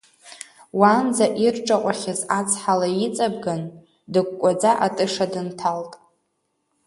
Уаанӡа ирҿаҟәахьаз ацҳа леиҵабган, дыкәкәаӡа атыша дынҭалт.